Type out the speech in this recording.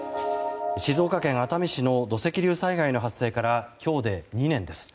静岡県熱海市の土石流災害の発生から今日で２年です。